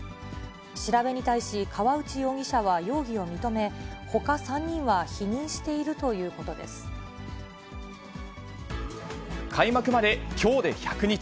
調べに対し河内容疑者は容疑を認め、ほか３人は否認しているとい開幕まできょうで１００日。